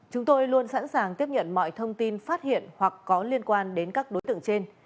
chúng tôi luôn sẵn sàng tiếp nhận mọi thông tin phát hiện hoặc có liên quan đến các đối tượng trên